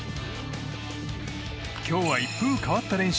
今日は一風変わった練習。